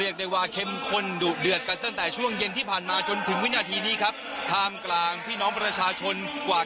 ติดตามจากรายงานสดของคุณคารินกะมุดโยธินนะครับผู้สื่อข่าวไทยรัตน์ทีวี